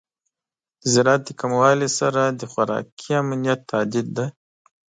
د زراعت د کموالی سره د خوراکي امنیت تهدید دی.